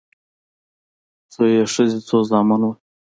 څو يې ښځې څو زامن وه